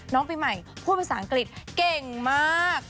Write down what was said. น้องปีใหม่พูดภาษาอังกฤษเก่งมาก